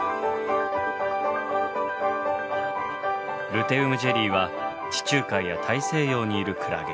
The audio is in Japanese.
ルテウムジェリーは地中海や大西洋にいるクラゲ。